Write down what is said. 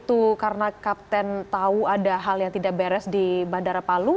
itu karena kapten tahu ada hal yang tidak beres di bandara palu